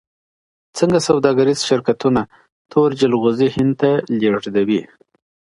څنګه سوداګریز شرکتونه تور جلغوزي هند ته لیږدوي؟